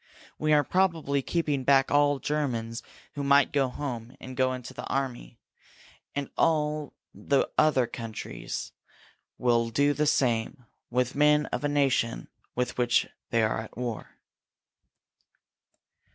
We are probably keeping back all Germans who might go home and go into the army, and all the other countries will do the same with men of a nation with which they are at war."